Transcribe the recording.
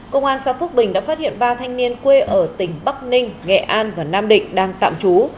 công an xã phước bình đã phát hiện ba thanh niên quê ở tỉnh bắc ninh nghệ an và nam định đang tạm trú